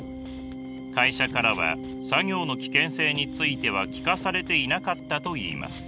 会社からは作業の危険性については聞かされていなかったといいます。